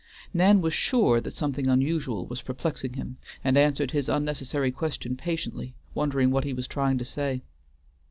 Nan was sure that something unusual was perplexing him, and answered his unnecessary questions patiently, wondering what he was trying to say.